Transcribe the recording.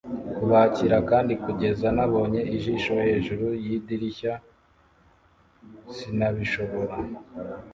kubakira; kandi kugeza nabonye ijisho hejuru yidirishya-sill sinabishobora